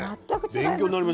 勉強になりました。